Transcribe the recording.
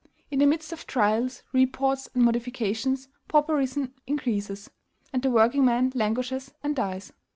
In the midst of trials, reports, and modifications, pauperism increases, and the workingman languishes and dies.